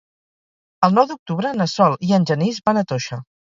El nou d'octubre na Sol i en Genís van a Toixa.